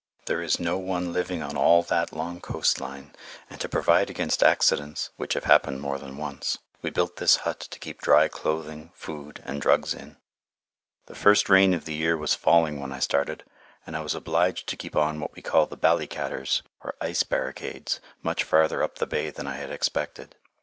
There is no one living on all that long coast line, and to provide against accidents which have happened more than once we built this hut to keep dry clothing, food, and drugs in. The first rain of the year was falling when I started, and I was obliged to keep on what we call the "ballicaters," or ice barricades, much farther up the bay than I had expected.